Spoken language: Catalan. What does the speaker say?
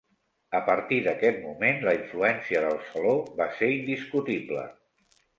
A partir d'aquest moment, la influència del Saló va ser indiscutible.